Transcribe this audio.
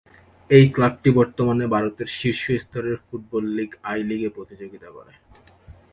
এই ক্লাবটি বর্তমানে ভারতের শীর্ষ স্তরের ফুটবল লীগ আই-লিগে প্রতিযোগিতা করে।